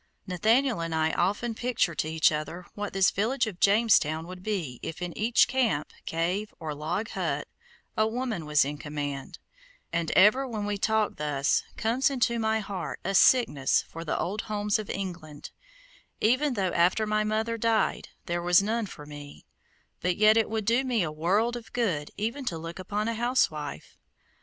Nathaniel and I often picture to each other what this village of Jamestown would be if in each camp, cave, or log hut a woman was in command, and ever when we talk thus comes into my heart a sickness for the old homes of England, even though after my mother died there was none for me; but yet it would do me a world of good even to look upon a housewife.